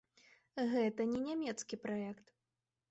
Гэта не нямецкі праект.